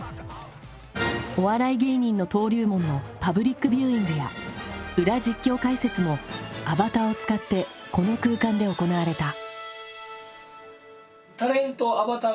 お笑い芸人の登竜門のパブリックビューイングや裏実況解説もアバターを使ってこの空間で行われた。